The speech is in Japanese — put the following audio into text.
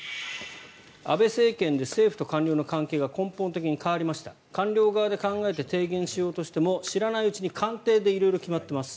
安倍政権で政府と官僚の関係が根本的に変わりました官僚側で考えて提言しようとしても知らないうちに官邸で色々決まってます。